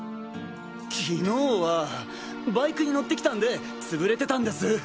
昨日はバイクに乗ってきたんでつぶれてたんです。